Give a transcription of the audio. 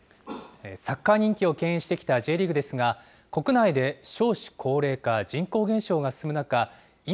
サッカー人気をけん引してきたＪリーグですが、国内で少子高齢化、人口減少が進む中、今、